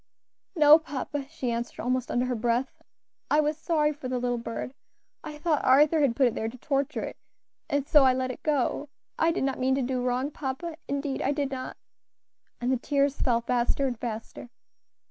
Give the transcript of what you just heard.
"No, papa," she answered almost under her breath. "I was sorry for the little bird. I thought Arthur had put it there to torture it, and so I let it go. I did not mean to do wrong, papa, indeed I did not," and the tears fell faster and faster.